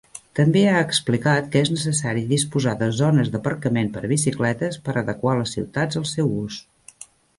També ha explicat que és necessari disposar de zones d'aparcament per a bicicletes per a adequar les ciutats al seu ús.